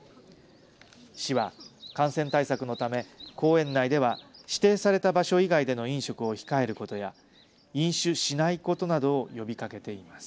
市は感染対策のため公園内では、指定された場所以外での飲食を控えることや、飲酒しないことなどを呼びかけています。